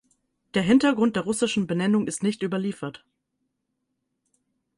Der Hintergrund der russischen Benennung ist nicht überliefert.